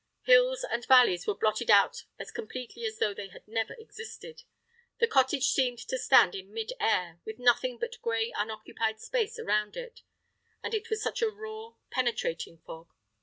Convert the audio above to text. Hills and valleys were blotted out as completely as though they had never existed. The cottage seemed to stand in mid air, with nothing but grey unoccupied space around it. And it was such a raw, penetrating fog.